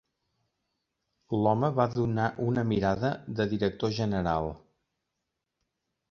L'home va donar una mirada de director general